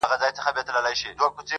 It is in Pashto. د بلبل په نوم هیچا نه وو بللی-